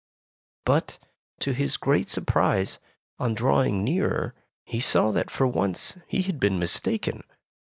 " But, to his great surprise, on drawing nearer, he saw that for once he had been mistaken.